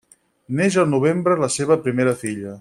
Neix al novembre la seva primera filla.